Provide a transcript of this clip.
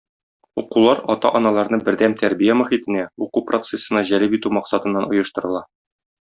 Укулар ата-аналарны бердәм тәрбия мохитенә, уку процессына җәлеп итү максатыннан оештырыла